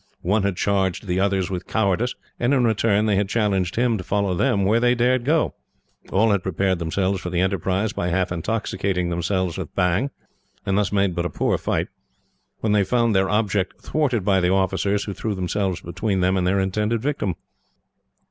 One had charged the others with cowardice, and in return they had challenged him to follow them where they dared go. All had prepared themselves for the enterprise by half intoxicating themselves with bhang, and thus made but a poor fight, when they found their object thwarted by the officers who threw themselves between them and their intended victim.